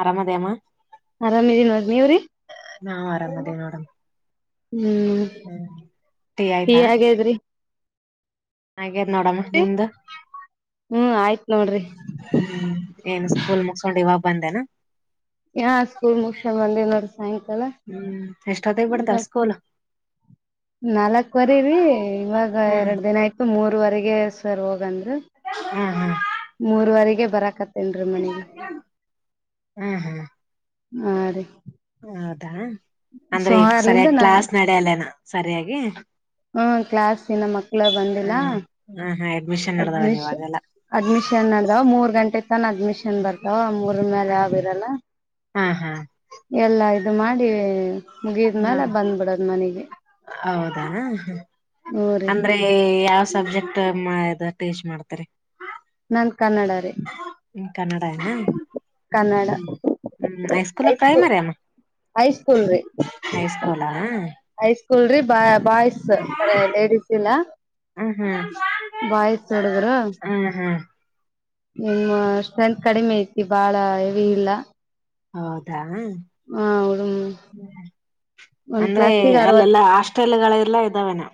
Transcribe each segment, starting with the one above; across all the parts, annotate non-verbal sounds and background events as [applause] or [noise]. ಆರಾಮ್ದಿಯೆಮ್ಮಾ? ಆರಾಮಿದೀನ ನೋಡ್ರಿ ನಿವ್ರಿ? ನಾವ್ ಆರಾಮದೇ ನೋಡಮ್ ಹ್ಮ್ ಹ್ಮ್ ಟೀ ಆಗೇದರಿ. ಆಗೇದ ನೋಡಮ್ಮ ನಿಮ್ದ? ಹ್ಮ್ ಆಯ್ತ್ ನೋಡ್ರಿ ಹ್ಮ ಏನು ಸ್ಕೂಲ್ ಮುಗ್ಸೊಂಡು ಇವಾಗ ಬಂದೇನ? ಯಾ ಸ್ಕೂಲ್ ಮುಗಿಸಿಕೊಂಡು ಬಂದಿನಿ ನೋಡ ಸಾಯಂಕಾಲ ಹ್ಮ್ ಎಷ್ಟೊತ್ತಗ್ ಬಿಡ್ತಾರ ಸ್ಕೂಲ್ ನಾಲ್ಕವರಿ ಇವಾಗ ಹ್ಮ್ ಎರಡ್ ದಿನ ಆಯ್ತು ಮೂರ್ ವರೆಗೆ ಸರ್ ಹೋಗಂದ್ರ. ಹ್ಮ್ ಹ್ಮ್. ಮೂರೂವರೆಗೆ ಬರಾಕತ್ತ. ಹ್ಮ್ ಹ್ಮ. ಹಾ ರೀ. ಹೌದಾ ಸೊ ಅಂದ್ರೆ ಈ ಅಲ್ಲಿಂದ ಸರಿಯಾಗಿ ನಾನು ಕ್ಲಾಸ್ ನಡೆಯಲ್ಲನ ಸರಿಯಾಗಿ - ಹ್ಮ ಕ್ಲಾಸ್ ಇನ್ನ ಮಕ್ಕಳ ಬಂದಿಲ್ಲಾ. ಹ್ಮ್ ಹ ಹಾ ಅಡ್ಮಿಷನ್ ಅಡ್ಮಿ ನಡ್ದಾವನ್ ಇವಾಗೆಲ್ಲ ಅಡ್ಮಿಷನ್ ನಡದಾವ ಮೂರ್ ಗಂಟೆ ತನ ಅಡ್ಮಿಷನ್ ಬರ್ತಾವ ಮೂರ ಮೇಲೆ ಯಾವಿರಲ್ಲ ಹಾ ಹಾ ಎಲ್ಲ ಇದು ಮಾಡಿ ಹ ಮುಗಿದ್ಮೇಲೆ ಬಂದ್ಬಿಡದ್ ಮನೆಗೆ. ಹೌದಾ ಹೂ ರೀ ಅಂದ್ರೆ ಯಾವ ಸಬ್ಜೆಕ್ಟ್ ಇದ ಟೀಚ್ ಮಾಡ್ತೀರಿ. ನಾನ್ ಕನ್ನಡ ರಿ. ಕನ್ನಡ ಅನಾ ಹ್ಮ ಹ್ಮ ಹೈಸ್ಕೂಲಕ್ಕ ಏನ ಹೈಸ್ಕೂ ಪ್ರೈಮರಿ ಅಮ್ಮ. ಹೈಸ್ಕೂಲ್ ರೀ ಹೈಸ್ಕೂಲಾ ಹೈಸ್ಕೂಲ್ ರೀ ಬ ಬಾಯ್ಸ್ ಕರೆ ಲೇಡೀಸ್ಗ ಇಲ್ಲ. ಹ್ಮ್ ಹ್ಮ್ ಬಾಯ್ಸ್ ಹುಡುಗ್ರು. ಹ್ಮ್ ಹ್ಮ್ ನಿಮ್ಮ ಸ್ಟ್ರೆಂತ್ ಕಡಿಮೆ ಐತಿ ಬಾಳ ಹೆವಿ ಇಲ್ಲ. ಹೌದಾ. ಹ ಹುಡು ಒಂದ್ ಅಂದ್ರೆ ಕ್ಲಾಸಿಗೆ ಅರವತ್ ಅಲ್ಲೆಲ್ಲಾ ಹಾಸ್ಟೆಲ್ಗಳೆಲ್ಲ ಇದ್ದಾವೇನ.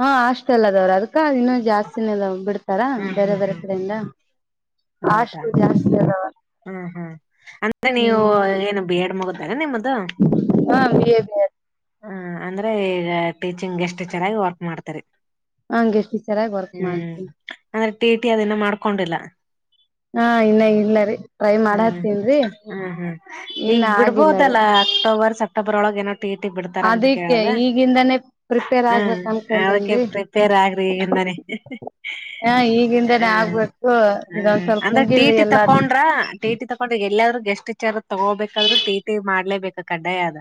ಹಾ ಹಾಸ್ಟೆಲ್ ಅದಾವ್ರಿ ಅದ್ಕ ಇನ್ನು ಜಾಸ್ತಿನ ಅದಾವ ಬಿಡ್ತಾರ ಬೇರೆ ಬೇರೆ ಕಡೆಯಿಂದ ಹೌದ ಹಾಸ್ಟೆಲ್ ಜಾಸ್ತಿ ಅದಾವ ಹ್ಮ ಹ್ಮ್ ಅಂದ್ರೆ ನೀವು ಹ್ಮ್ ಏನು ಬಿ ಎಡ್ ಮುಗದದ? ಹಾ ಬಿ ಎಡ್ ಬಿಎಡ್. ಹ ಅಂದ್ರೆ ಈಗ ಟೀಚಿಂಗ್ ಗೆಸ್ಟ್ ಟೀಚರ್ ಆಗಿ ವರ್ಕ್ ಮಾಡ್ತರಿ ಹಂಗೆ ಟೀಚರ್ ಆಗಿ ವರ್ಕ್ ಹ್ಮ್ ಮಾಡತ ಅಂದ್ರೆ ಟೇಟಿ ಅದನ ಮಾಡ್ಕೊಂಡಿಲ್ಲ ಹಾ ಇನ್ನ ಇಲ್ಲ ರೀ ಟ್ರೈ ಹ್ಮ್ ಮಾಡತ್ತನ್ರಿ ಹ್ಮ್ ಹ್ಮ್ ಇನ್ನ ಈಗ್ ಆಗಿಲ್ಲ ರೀ ಬಿಡ್ಬೋದಲ್ಲ ಅಕ್ಟೋರ್ ಸಪರೋಳನ ಟಿ ಬಿಡ್ತಾರ ಅಂತ ಅದಕ್ಕೆ ಕೇಳದ ಈಗಿಂದಾನೇ ಪ್ರಿಪೇರ್ ಹ ಆಗ್ಬೇಕ ಅದಕ್ಕೆ ಅನ್ಕೊಂಡೇನ್ರಿ ಪ್ರಿಪೇರ್ ಆಗ್ರಿ ಈ ಹ ಈಗಿಂದಾನೇ ಹ ಆಗ್ಬೇಕು ಹ್ಮ ಇದೊಂದ್ ಸ್ವಲ್ಪ ಅಂದ್ರ ಮುಗಿಲಿ ಟೀಟಿ ಎಲ್ಲ ತಕೊಂಡ್ರ ಟೀಟಿ ತಕೊಂಡ್ರಿ ಎಲ್ಲಾದ್ರೂ ಗೆಸ್ಟ್ ವಿಚಾರ ತಗೋಬೇಕಾದ್ ಟೀ ಟೀ ಮಾಡ್ಲೇಬೇಕ ಕಡ್ಡಾಯ ಆದ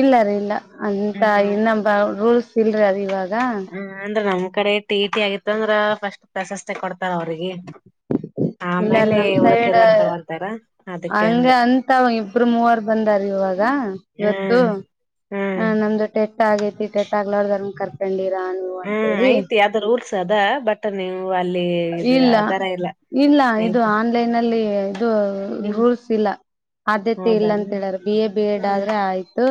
ಇಲ್ಲರಿ ಇಲ್ಲ ಅಂತ ಇನ್ನಬ ರೂಲ್ಸ್ ಇಲ್ರಿ ಅದ ಇವಾಗ ಹ್ಮ ಅಂದ್ರ ನಮ್ ಕಡೆ ಟಿ ಟಿ ಆಗಿತ್ತ ಅಂದ್ರ ಫಸ್ಟ್ ಪ್ರಸಸ್ ತ ಕೊಡ್ತಾರ ಅವ್ರಿಗೆ ಇಲ್ಲಾರೀ ಆಮೇಲೆ ನಮ ಸೈಡ್ ಉಳಕಿದಾರ್ ತಗೊಂತಾರ ಅದಕ್ಕೆ ಹಂಗ ಅಂದೆ ಅಂತ ಅವ ಇಬ್ರು ಮೂವರ್ ಬಂದಾರ ಇವ ಇಾಗ ಇವತ್ತು ಹ್ಮ್ ಹ್ಮ್ ನಮ್ದು ಟೆಟ್ ಆಗೈತಿ ಟೆಟ್ ಆಗ್ಲ ಕರ್ಕೊಂಡಿ ಹ್ಮ್ ಐ್ತ್ ಯಾವ್ದ ರೂಲ್ಸ್ ಅದಾ ಬಟ್ಟ ನೀವು ಅಲ್ಲಿ ಇದು ಇಲ್ಲ ಯಾವ ತರ ಇಲ್ಲ ಇಲ್ಲ ಇದು ನತಿ ಆನ್ಲೈನ್ ಅಲ್ಲಿ ಇದು ರೂಲ್ಸ್ ಇಲ್ಲ ಆದ್ಯತೆ ಇಲ್ಲ ಹೌದಾನ ಅಂತ ಹೇಳಾರ ಬಿ ಎ ಬಿ ಎಡ್ ಹ್ಮ್ ಆದ್ರೆ ಆಯ್ತು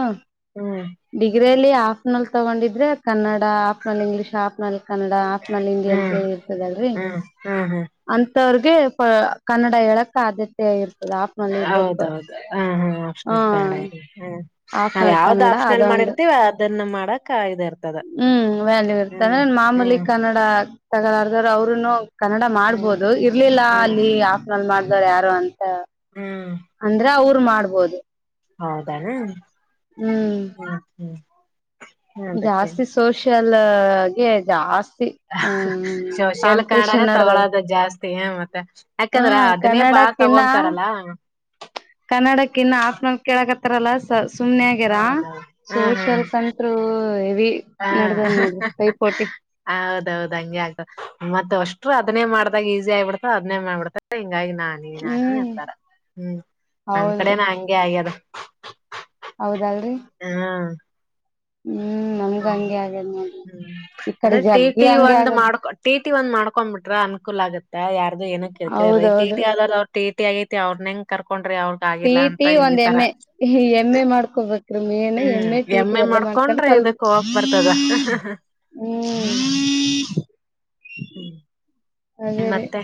ಹ್ಮ್ ಡಿಗ್ರಿ ಅಲ್ಲಿ ಆಫ್ ನಲ್ ತಗೊಂಡಿದ್ರೆ Kannada optional English optional Kannada ಆಫ್ ನಲ್ಲಿ ಹಂಡಿ ಅಂತ ಹ್ಮ್ ಹೇಳಿ ಇರ್ತದಲ್ರಿ ಹ್ಮ್ ಹ್ಮ್ ಹ್ಮ್ ಹ್ಮ್ ಅ ವ್ರಿಗೆ ಕನ್ನಡ ಹೇಳಕ್ ಆದ ಹೌದೌದು ಹ ಹಾ ಹ ಆಪ್ಷನಲ್ ಕ ಹ ನಾವ ಹಾಫ್ನಲ್ ಯಾವ್ದ ಕನ್ನಡ ಆಪ್ಷನಲ್ ಅದೊಂದು ಮಾಡಿರ್ತವಿ ಅದನ್ನ ಮಾಡಕ್ ಇ ಇರ್ತದ ಹ್ಮ್ ವ್ಯಾನ್ಯ ಹ್ಮ್ ಇರ್ತಾನೆ ಮಾಮೂಲಿ ಹ್ಮ್ ಕನ್ನಡ ತಗಲಾರದರು ಅವ್ರುನು ಕನ್ನಡ ಹ್ಮ್ ಮಾಡ್ಬೋದು ಇರ್ಲಿಲ್ಲ ಹ್ಮ್ ಅಲ್ಲಿ ಆಫ್ನಲ್ ಮಾಡ್ದವ್ ಯಾರು ಅಂತ ಅಂದ್ರೆ ಅವರು ಮಾಡ್ಬೋದು ಹೌದಣ ಹ್ಮ್ ಹ್ಮ ಹ್ಮ್ ಹ್ಮ ಅದಕ್ಕೆ ಜಾಸ್ತಿ ಸೋಷಲ್ಗೆ ಜಾಸ್ತಿ ಹ್ಮ ಶೌಚಲ್ ಕಾಣ್ರ ಕಾಂಪಿಟೇಷನ್ ನಡ್ದದ ತಗೊಳೋದ ಜಾಸ್ತಿ ಹ ಮತ್ತೆ ಯಾಕಂದ್ರ ಹ್ಮ್ ಅದನ್ನೇ ಬ ಹ ತಗೊಂತಾರಲ್ಲ ಕನ್ನಡಕ್ಕ ಇನ್ನು ಆಾಕ್ನ ಕೇಳಕ್ತ್ತಾರಲ್ಲ ಸುಮ್ನೆ ಆಗ್ಯಾರ ಹೌದೌದು ಹ್ಮ ಸೋಷಲ್ ಕಂಟ್ರರು ಹೆವಿ ಹ್ಮ್ ನಡದದ್ ಹ ನೋಡ್ರಿ ಕೈಪೋಟಿ ಹೌದೌದ್ ಹಂಗೆ ಆಗ್ತ ಮತ್ತತ್ ಅಷ್ಟರು ಅದನೇ ಮಾಡ್ದಾಗ ಈಸಿ ಆಗ್ಬಿಡ್ತ ಅದ್ನೇ ಮಾಡ್ಬಿಡ್ತ ಹಂಗಾಗಿ ನಾನಿ ನಾನಿ ಹ್ಮ್ ಅಂತಾರ ಹ್ಮ್ ನಮ್ ಹೌದ್ರಿ ಕಡೆನ ಹಗೆ ಆಗ್ಯದ ಹೌದಲ್ರಿ ಹ್ಮ್ ನಮ್ಗೆ ಹ್ಮ್ ಅಂಗಗೆ ಆ ಹ್ಮ್ ಅಂದ್ರೆ ಟಿ ಟಿ ಹಂಗೆ ಒಂದ್ ಆಗದ ಮಾಡ್ಕೊ ಟಿ ಟಿ ಒಂದ್ ಮಾಡ್ಕೊಂಡ್ ಬಿಟ್ರೆ ಅನ್ಕೂಲ ಆಗತ್ತೆ ಯ ಏನ ಕ ಟಿ ಹೌದೌದ್ರಿ ಆದ್ರ ಅವ್ರ ಟಿ ಆಐತಿ ಅವ್ರ ಹೆಂಗ ಕರ್ ಪ್ರೀತಿ ಒಂದ್ ಎಮ್ಮೆ ಎಮ್ಮೆ ಮಾಡ್ಕೊಬು ಮನ ಹ್ಮ್ ಎಮ್ಮೆ ಟೀಟ ಎಮ್ ಎ ಎರಲ್ಲ ಮಾಡ್ಕೊಂಡು ಮಾಡ್ಕೊಂಡ್ರೆ ಸಲ್ ಇದಕ್ ಹೋಗಕ್ ಬರ್ತದ ಓ ಹ್ಮ್ ಹ್ಮ್ ಮತ್ತೆ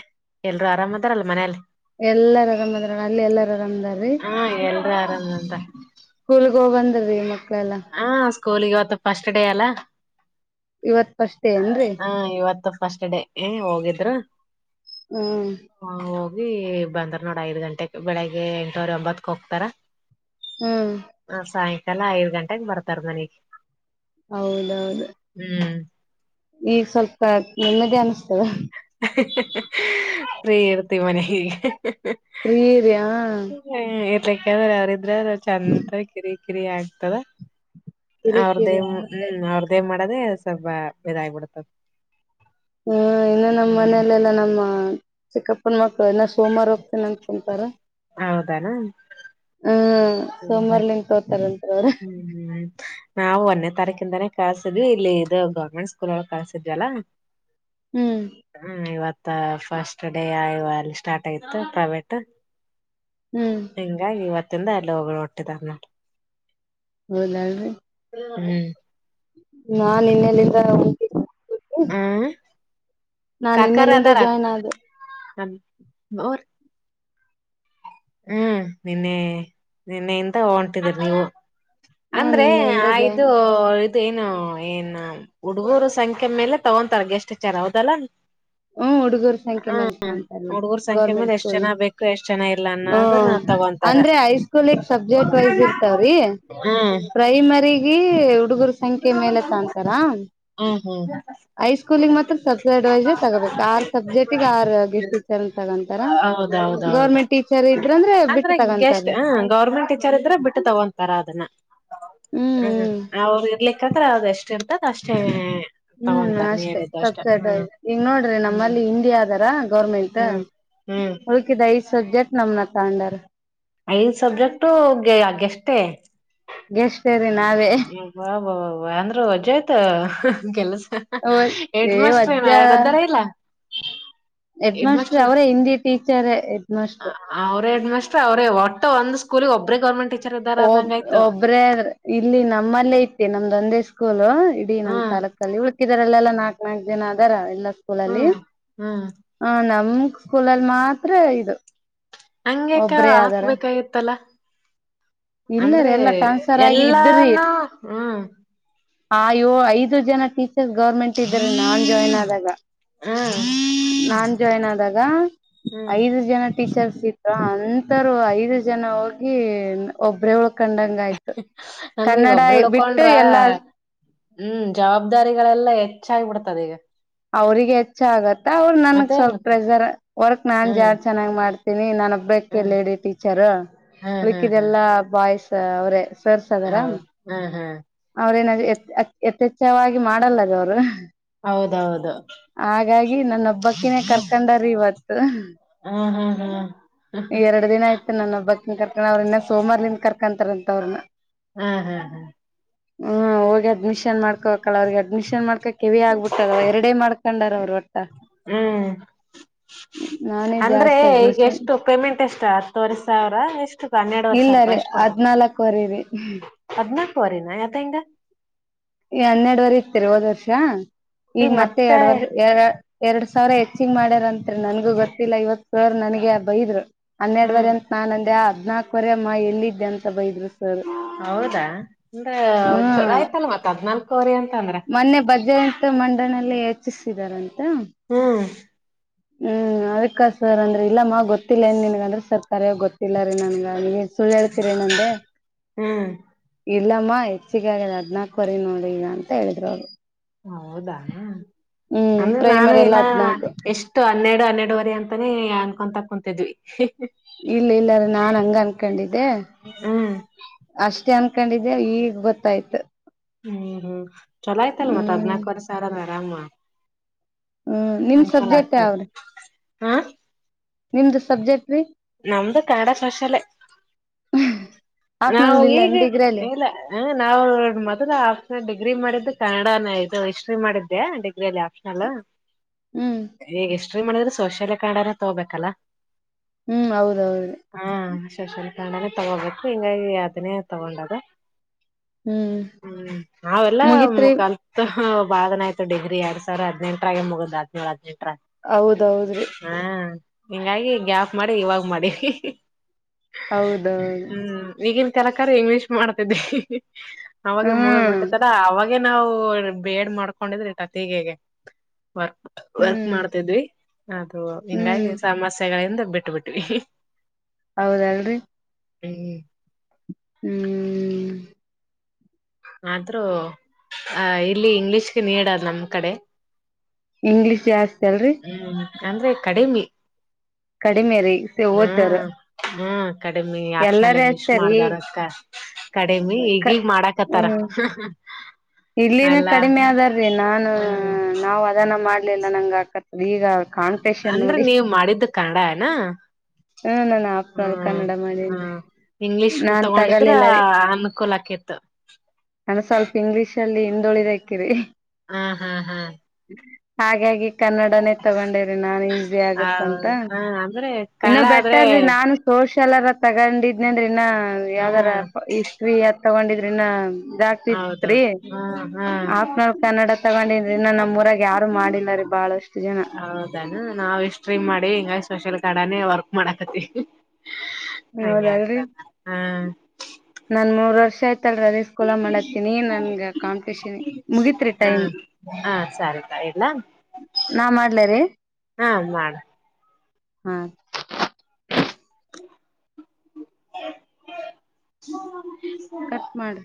ಎಲ್ರು ಆರಾಮ್ದಾರಲ್ಲ ಮನೇಲಿ ಎಲ್ಲಾರ ರಮದ್ರ ಅಲ್ಲಿ ಎಲ್ಲಾರ ರಮದಾರೀೂ ಹಾ ಎಲ್ರು ಆರಾಮಂತ ಗೋಬಂದ್ರ ರೀ ಮತ್ತೆ ಹಾ ಸ್ಕೂಲ್ಗ ಅವತ್ತು ಪಫಸ್ಟ್ ಡೇ ಅಲ್ಲಾ ಇವತ್ ಫಸ್ಟ್ ಡೇ ಏನ್ರಿ ಹಾ ಇವತ್ತು ಫಸ್ಟ್ ಡೇ ಹೋಗಿದ್ರು ಹಾ ಹ ಬಂದ್ರ ನೋಡ ಐದ್ ಗಂಟೆ ಬೆಳಿಗ್ಗೆ ಎಂಟವ್ರ ಎಂಬತ್ತಕ್ ಹೋಗ್ತಾರ ಹ್ಮ್ ಹ ಸಾಯಂಕಾಲ ಐದ್ ಗಂಟೆಗೆ ಬರ್ತಾರ ಮನೆಗೆ ಹೌದೌದು ಈಗ ಸ್ವಲ್ಪ ನೆಮ್ಮದಿ ಅನಿಸ್ತದ ಪ್ರರ್ತಿ ಮನೆಗೆ ಪ್ರೀ ಇದ್ಯಾ. ಯೇಕಾದ್ರೆ ಯಾರಿದ್ರ ಚೆಂದ ಕಿರಿ ಕಿರಿ ಆಗ್ತದ. ಅವ್ರ್ದ ಕಿರಿಕಿರಿ ಹ್ಮ ಹ್ಮ್ ಅವ್ರ್ದೇ ಮಾಡದೇ ಸ್ವಲ್ಪ ಇದಾಗಬಿಡ್ತದ. ಹ್ಮ ಇನ್ನು ನಮ್ಮ್ ಹ್ಮ್ ಮನೆಯಲೆಲ್ಲಾ ನಮ್ಮ ಚಿಕ್ಕಪ್ಪನ ಮಕ್ಳ ಸೋಮವಾರ ಹೋಗ್ತೀನ ಅನ್ಕಂತಾರ ಹೌದಾನ ಹ್ಮ‌. ಹ್ಮ್ ಹ್ಮ್ ಸೋಮವಾರಲಿ ತೋತಾರಂತೆ. ಹ್ಮ್ ಹ್ಮ್ ನಾವು ಒನ್ನೆ ತಾರಿಕ್ ಯಿಂದ ಕಸಿದ್ವಿ ಇಲ್ಲಿ ಇದು ಗೌರ್ಮೆಂಟ್ ಸ್ಕೂಲ್ ಒಳ ಕಳ್ಸಿದ್ವಲ್ಲಾ. ಹ್ಮ್ ಹ್ಮ್ ಈವತ್ತು ಫಸ್ಟ್ ಡೇ ಆಯವ ಅಲ್ಲಿ ಸ್ಟಾರ್ಟ್ ಆಗತ್ತು ಪ್ರೈವೇಟ್. ಹ್ಮ್ ಹಿಂಗಾಗಿ ಇವತ್ತಿಂದ ಎಲ್ಲಿ ಹಗಳು ಹೊಟ್ಟಿದಾರ್ ನಾಡ. ಹೌದಲ್ರಿ ಹ್ಮ್ ನಾನ್ ಇನ್ನೆಲ್ಲಿಂದ [unintelligible] ಹ್ಮ ನಾ ಕಾಕಾರ ನೆನ್ನೆಲಿಂದ ಅದಾರ ಜಾಯಿನ್ ಆದೆ. ಅವ್ರ ಹ್ಮ್ ನಿನ್ನೆ ನಿನ್ನೆಯಿಂದ ಹೊಂಟಿದರಿ ನೀವು. ಹ್ಮ ಅಂದ್ರೆ ನಿನ್ನೆಯಿಂದ ಜಾಯ್ನ್ ಆದು. ಏನು ಏನ್ ಹುಡುಗರ ಸಂಖ್ಯ ಮೇಲೆ ತಗೊಂತಾರ ಎಷ್ಟ್ಟಿಚಾರ್ ಹೌದಲ್ಲ. ಹ್ಮ ಹುಡುಗರ ಸಂಖ್ಯೆ ಮೇಲ್ ತಂತಾರೆ ಹುಡುಗೂರ್ ಸಂಖ್ಯೆ ಗೌರ್ಮೆಂಟ್ ಮೇಲೆ ಎಷ್ಟ್ ಸ್ಕೂಲ್. ಜನ ಬೇಕು ಎಷ್ಟ್ ಜನ ಇಲ್ಲ ಹ ಅನ್ನೋದನ್ನ ತಗೊಂತಾರ ಅಂದ್ರೆ ಹೈಸ್ಕೂಲ್ಗ್ ಸಬ್ಜೆಕ್ಟ್ ವೈಸ್ ಇರ್ತಾವ್ರಿ ಹ್ಮ್ ಪ್ರೈಮರಿ. ರಗ ಹುಡುಗರ ಸಂಖ್ಯೆ ಮೇಲೆ ತಾಂತರ. ಹ್ಮ್ ಹ್ಮ್ ಹೈ ಸ್ಕೂಲಗ್ ಮಾತ್ರ ಸಬ್ಜೆಡ್ ವೈಸ್ ತಗೋಬೇಕು ಆರ್ ಸಬ್ಜೆಕ್ಟಗ ಆರ್ ಗಿಫ್ಟ್ ಟೀಚರ್ ತಗೊಂತಾರ. ಹೌದೌದೌದು ಗೌರ್ಮೆಂಟ್ ಟೀಚರ್ ಇದ್ರಂದ್ರೆ ಬಿಟ್ಟು ಅಂದ್ರೆ ಸ್ಟ್ ತಗೊಂತಾರೀ ಹ ಗೌರ್ಮೆಂಟ್ ಟೀಚರ್ ಇದ್ರೆ ಬಿಟ್ಟು ತಗೊಂತಾರ ಅ. ಹ ಹ್ಮ್ ಅವ್ರ. ಹ್ಮ್ ತಗೊಂತಾರ ನೀ ಅಷ್ಟೆ ಹೇಳಿದ್ದು ಸಪ್ಸಡ್ ಹ್ಮ್ ಈಗ ನೋಡ್ರಿ ಹ್ಮ್ ನಮ್ಮಲ್ಲಿ ಇಂಡಿಯಾ ಅದಾರಾ. ಗೌರ್ಮೆಂಟ್ ಹ್ಮ್ ಹ್ಮ್ ಹುಡುಕಿದ ಐದ್ ಸಬ್ಜೆಕ್ಟ್ ನಮನ ತಾಂಡರ್. ಐದು ಸಬ್ಜೆಕ್ಟುಗೆಷ್ಟೇ. ಗೆಸ್ಟ್ ಬ ಬ ಬ ಅಂದ್ರು ಅಜಯ್ತ ಕೆಲ್ಸ ಏ ಹೆಮಸ್ ವಜ್ಜ ದರ ಇಲ್ಲ. ಹೆಡ್ ಮಾಸ್ಟರ್ ಅವರೇ ಹಿಂದಿ ಟೀಚರ್ ಹೆಡ್ ಮಾಸ್ಟರ್. ಅವ್ರ ಒಟ್ಟ ಒಂದು ಸ್ಕೂಲ್ಗ್ ಒಬೇ ಗವ್ರ್ಮೆಂಟ್ ಟೀಚರ್. ಇದ್ದಾರ ಒಬ್ ಅದಂಗ ಆಯ್ತು ಒಬ್ರೇ. ಇಲ್ಲಿ ನಮ್ಮಲ್ಲೇ ಇತ್ತ ನಮ್ದ ಒಂದೇ ಸ್ಕೂಲ್ ಇಡ ನಮ್ ಹ್ಮ್ ತಾಲೂಕಲ್ಲಿ ಉಳಕಿದರೆಲ್ಲೆಲ್ಲ. ನಾಕ್ ನಾಕ್ ಜನ ಅದರ ಎಲ್ಲ ಸ್ಕೂಲ್ಲಿ ಹ್ಮ್ ಹ್ಮ್ ಅ ಹ ಸ್ಕೂಲಲ್ಲಿ ಮಾತ್ರ ಇದು. ಹಂಗೇಕ ಒಬ್ರೇ ಅದಾರ ಹಾಕ್ಬೇಕಾಗಿತ್ತಲ್ಲ. ಇಲ್ಲರಿ ಅಂದ್ರೆ ಎಲ್ಲಾ ಟ್ರಾನ್ಸ್ಫರ್ ಆಗಿ ಎಲ್ಲಾನೂ ಹ್ಮ್ ಆಯೋ ಐದು ಜನ ಟೀಚರ್ಸ್ ಗೌರ್ಮೆಂಟ್ ಇದ್ದಾರೆ ನಾನ್ ಜಾಯ್ನ್ ಆದಾಗ. ಹ್ಮ್ ನಾನ್ ಜಾಯಿನ್ ಆದಾಗ ಹ್ಮ್ ಐದು ಜನ. ಟೀಚರ್ಸ್ ಇದರು ಅಂತರು ಐದು ಜನ ಹೋಗಿ ಒಬ್ರೆ ಉಳ್ ಕಂಡಂಗ ಆಯ್ತು ಅಂದ್ರೆ ಈಗ ಕನ್ನಡ ಒಬ್ಬ್ರ ಬಿಟ್ಟು ಇಳ್ಕೊಂಡ್ರ ಎಲ್ಲಾ. ಹ್ಮ್ ಜವಾಬ್ದಾರಿಗಳೆಲ್ಲಾ ಹೆಚ್ಚಾಗಿಬಿಡ್ತದ ಈಗ. ಅವ್ರಿಗೆ ಹೆಚ್ಚ ಆಗತ್ತ ಅವ್ರ ನನ್ಗ್ ಮತ್ತೆ ಸ್ವಲ್ಪ ಮತ್ತೆ ಪ್ರೆಸರ್ ವರ್ಕ್ ನಾನ್ ಜಾ ಹ್ಮ್ ಚೆನ್ನಾಗ್ ಮಾಡ್ತೀನಿ ನಾ ನಾನ ಹಬ್ಬಕ್ಕೆ ಹ್ಮ್ ಲೇಡಿ ಟೀಚರ್ ಹ್ಮ್ ಉಳಕ್ಕ ಹ್ಮ್ ಹ್ಮ್ ಇದೆಲ್ಲಾ ಬಾಯ್ಸ್. ಅವ್ರೇ ಸೇರ್ಸದಾರ ಹೌ ಹ್ಮ್ ಹ್ಮ್ ಅವ್ರೇನ್ ಯಥೇಛವಾಗಿ ಮಾಡಲ್ಲ ಅವರು. ಹೌದೌದು ಹಾಗಾಗಿ ನನ್ನೊಬ್ಬಕ್ಕಿನೇ ಕರ್ಕಂಡ್ರೀ ಇವತ್ತು. ಹ್ಮ್ ಹ್ಮ್ ಹ್ಮ್ ಎರಡು ದಿನ ಆಯ್ತ್ ನನ್ನ ಹಬ್ಬಕ್ಕನ್ ಕರ್ಕೊಂಡ ಅವ್ರ ಇನ್ನ ಸೋಮಾರ್ಲಿಂದ ಕರ್ಕೊಂತಾರಂತ ಅವ್ರನ್ನ ಹ್ಮ್ ಹ್ಮ್ ಹ್ಮ್ ಹೋಗಿ ಅಡ್ಮಿಷನ್ ಮಾಡ್ಕೋಕಲ್ಲ ಅವ್ರಿಗೆ ಅಡ್ಮಿಷನ್ ಮಾಡ್ಕ ಕೆವಿ ಆಗ್ಬಿಟ್ಟದವ ಎರಡೆೇ ಮಾಡ್ಕ. ಕಖಂಡಾರ ಅವರು ಒಟ್ಟ ಹ್ಮ್ ನಾನೇ ಅಂದ್ರೆ ಜಾಸ್ತಿ ಈಗೆ ಅಡ್ಮಿಷನ್ ಎಷ್ಟು ಪೇಮೆಂಟ್ ಎಷ್ಟ ಹತ್ತುವರೆ ಸಾವರ ಎಷ್ಟು ಹನ್ನೆರಡವರೆ ಸಾವಿರ ರೂಪ ಎಷ್ಟು ಕೊಡ್ಬೇಕ ಹ್ಮ್ ಅದನ್ನ ಅವರಿನ ಯತಿಂದ ಹನ್ನೆರುವರೆ ಇತರಿ ಹೋದ್ ವರ್ಷ ಈಗ ಮತ್ತೆ ಎರಡ್ ವರ್ಷ ಎ ಎರಡ್ ಸಾವಿರ ಹೆಚ್ಚಗ್ ಮಾಡ್ಯಾರತ್ರಿ ನನ್ಗೂ ಗೊತ್ತಿಲ್ಲ ಇವತ್ ಸಾವಿರ ನನ್ಗೆ ಬೈದ್ರು ಹನ್ನೆರಡುವರೆ ಹ್ಮ್ ಅಂತ ನಾನ್ ಅಂದೆ ಆ ಹದ್ನಾಕವರೆ ಅಮ್ಮ ಎಲ್ಲಿದ್ದೆ ಅಂತ ಬೈದ್ರು ಸರ್ ಹೌದಾ ಅಂದ್ರ ಹ್ಮ್ ರಯ್ತಲ್ಲ ಮಾತಾ ಮೊನ್ನೆ ಬಜ್ರಂತ ಮಂಡನಲ್ಲ ಯಚಿಸಿದಾರಂತೆ ಹ್ಮ್ ಹ್ಮ್ ಅದ್ಕ್ಕ ಸರ್ ಅಂದ್ರೆ ಇಲ್ಲ ಮಾ ಗೊತ್ತಿಲ್ಲ ನ್ ನಿನ್ಗಂದ್ರೆ ಸರ್ ಕರ ಗೊತ್ತಿಲ್ಲ ಇಲ್ಲ ರೀ ನನ್ಗ ನೀ ಸುಳ್ಳು ಹೇಳ್ತೀರಿ ನಂದೆ ಹ್ಮ್ ಇಲ್ಲಮ್ಮ ಹೆಚ್ಚಿಗಗ್ ಹದ್ನಾಕುವರೆ ನೋಡಿ ಈಗ ಅಂತ ಹೇಳಿದ್ರು ಅವ್ರು ಹೌದಾ ಹ್ಮ್ ಅಂದ್ರೆ ನಾನು ಪ್ರೈಮರಿ ಎಲ್ಲ ಇನ್ನ ಹದ್ನಾಲ್ಕು ಎಷ್ಟು ಹನ್ನೆರಡು ಹನ್ನೆಡವರೆ ಅಂತಾನೇ ಅನ್ಕೊಂತಾ ಕುತಿದ್ವಿ ಇಲ್ಲ ಇಲ್ಲಾರೀ ನಾ ಹಂಗ ಅನ್ಕೊಂಡಿದ್ದೆ ಹ್ಮ್ ಅಷ್ಟೇ ಅನ್ಕೊಂಡಿದ್ದೆ ಈಗ್ ಗೊತ್ತಾಯ್ತು ಹ್ಮ್ ಹ್ಮ್ ಚಲೋ ಆಯ್ತಲ್ ಮತ್ತ ಹ್ಮ್ ಅದ್ನಾಕವರೆ ಸಾರ ಆರಾಮ ಹ್ಮ ನಿಮ್ ಅನ್ಕೂಲ ಸಬ್ಜೆಕ್ಟ್ ಆಗ್ತದ ಯಾವ್ರಿ ಹ ನಿಮ್ದು ಸಬ್ಜೆಕ್ಟ್ ರೀ ನಮ್ದು ಕಡ ಕಶಾಲ ನಾವು ಆಪ್ನಲ್ಲಿ ಇಲ್ಲ ಈಗ ಡಿಗ್ರಿ ಅಲ್ಲಿ ಇಲ್ಲ ನಾವು ಮೊದಲ ಆಫ ಡಿಗ್ರಿ ಮಾಡಿದ್ದ ಕ ಇದು ಹಿಸ್ಟ್ರಿ ಮಾಡಿದ್ದೆ ಡಿಗ್ರಿಲ್ಲಿ ಆಪ್ನಲ್ ಹ್ಮ್ ್ರೀ ಮಾಡಿದ್ರೆ ಸೋಶಲ್ಯ ಕಾರ ತಗೋಬೇಕಲ್ಲಾ ಹ್ಮ್ ಹೌದೌದು ಸಷನ್ ಕಂಡನ ತಗೋಬೇಕು ಹಿಂಗಾಗಿ ಅ್ದನೇ ತಗೊಂಡದ ಹ್ಮ್ ಹ್ಮ್ ನಾವೆಲ್ಲ ಮು ಮುಗಿತ್ರಿ ಕಲ್ತ್ ಹ ಬ್ನಯ್ತ ಗ್ರರಿ ಎರಡ್ಾವಿರ ಹದ್ಂಟರಾಗ ಮುಗ್ದ್ ಹಿನೇಳು ಹದಿನದು ಹೌದೌದ್ರಿ ಹ್ಮ್ ಹಿಂಗಾಗಿ ಗ್ಯಾಪ್ ಮಾಡಿ ಇವಾಗ್ ಮಾಡಿ ಹೌದು ಹ್ಮ್ ಈಗನ್ ಕೆಲಕ ಇಂಗ್ಲೀಷ್ ಮಾಡ್ತಿದ್ದೆ ಅವಾಗ ಮುಗದ್ ಹ್ಮ್ ಬಿಟ್ಟತ್ತರ ಅವಾಗ ಹಾಗೆ ನಾವು ಬೇಡ್ ಮಾಡ್ಕೊಂಡಿದ್ರಿಟತಿಗೆಗೆ ವರ್ಕ್ ವರ್ಕ್ ಹ್ಮ್ ಮಾಡ್ತಿದ್ವಿ ಅದು ಹಿಂಗಾಗಿ ಹ್ಮ್ ಸಮಸ್ಯೆಗಳಿಂದ್ರ. ಬಿಟ್ಟ ಬಿಿಟ್ಟವಿ ಹೌದ್ರಿ ಹ್ಮ ಹ್ಮ್ ಆದ್ರೂ ಅ ಇಲ್ಲಿ ಇಂಗ್ಲಿಷ್ಗೆ ನೀಡದ್ ನಮ್ ಕಡೆ ಇಂಗ್ಲಿೀಷ್ ಜಾಸ್ತಿ ಅಲ್ರಿ ಹ್ಮ್ ಅಂದ್ರೆ ಕಡಿಮೆ ಕಡಿಮೆ ರೀ ಓದೋರು ಹ್ಮ್ ಹ್ಮ್ ಕಡಿಮೆ ಎಲ್ಲಾರ ಆಪ್ಷನಲ್ ಇಂಗ್ಲಿಷ್ ಅಷ್ಟೇ ರೀ ಮಾಡ್ದಾರ ಅತ್ತ ಕಡಿಮೆ ಈಗೀಗ್ ಮಾಡಕತ್ತಾರ ಹ್ಮ್ ಇಲ್ಲಿನ ಕಡಿಮೆ ಅದಾರೀ ನಾನು ಹ್ಮ ನಾವ್ ಅದನ್ನ ಮಾಡ ಲ್ಲೆಲ್ಲ ನಂಗ ಆಕದೆ ಈಗ ಕಾಂಪಿಟೇಷನ್ ಅಂದ್ರೆ ನೋಡಿ ನೀವ್ ಮಾಡಿದ್ದ ಕಾಣ ಏನ ಹ್ಮ ನಾನು ಅಸ್ಪ್ನಲ್ ಕನ್ನಡ ಮಾಡಿನ್ರಿ ಹ್ಮ್ ಇಂಗ್ಲಿಷ್ ನಾನ್ ತಗೊಂಡಿದ್ರ ತಗಲಿಲ್ಲರಿ. ಅನುಕೂಲ ಆಕಿತ್ತು ನಾನು ಸ್ವಲ್ಪ ಇಂಗ್ಲಿಷ್ ಅಲ್ಲಿ ಹಿಂದುಳಿದಕಿರಿ. ಹ್ಮ್ ಹ್ಮ್ ಹ್ಮ್ ಹಾಗಾಗಿ ಕನ್ನಡನೇ ತಗೊಂಡೇರಿ ನಾನ್ ಈಸಿ ಆ ಆಗತ್ತಂತ. ಹ ಅಂದ್ರೆ ಇನ್ನ ಕನ್ನಡ ಆದ್ರೆ ಬೆಟ್ಟರಿ ನಾನು ಸೋಷೆಲ್ ಆರ ತಗೊಂಡಿದ್ನ ಅಂದ್ರ ಇನ್ನ ಯಾವ್ದಾರ ಹ್ಮ್ ಹಿಸ್ಟ್ರಿ ಅದ್ ತಗೊಂಡಿದ್ರಿನ. ಇದಕ್ತಿತ್ರಿ ಹೌದೌದು ಹ್ಮ್ ಹ್ಮ್ ಆಫ್ನಲ್ ಕನ್ನಡ ತಗೊಂಡಿನ್ರಿ ಇನ್ನ ನಮ್ಮೂಊರಾಗ ಯಾರು ಮಾಡಿಲ್ಲರಿ ಹೌದನು ನಾವ್ ಹಿಸ್ಟ್ರಿ ಮಾಡಿವಿ ಹಿಂಗಾಗಿ ಸ್ ಸೋಷಲ್ ಕಡಾನೇ ವರ್ಕ್ ಮಾಡಕತಿ ಹಂಗಾಗಿ ಆತ ಹ. ನನ್ ಮೂರ್ ವರ್ಷ ಆಯ್ತ. ತಲ್ರಿ ಅದೇ ಸ್ಕೂಲ ಮಾಡತನಿ ನನ್ಗ ಕಾಂಪಿಟಷನ್ ಮುಗಿತ್ರಿ ಟೈಮ್. ಐ ಇಲ್ಲ ನಾ ಮಾಡ್ಲಾರಿ ಹಾ ಮಾಡ. ಹಾ [unintelligible] ಕಟ್ ಮಾಡ್ರಿ.